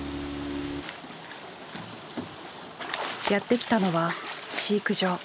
やって来たのは飼育場。